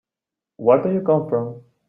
Where do you come from?